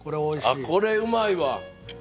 あっこれうまいわ！